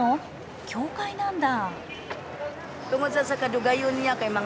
教会なんだ。